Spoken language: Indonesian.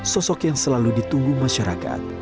sosok yang selalu ditunggu masyarakat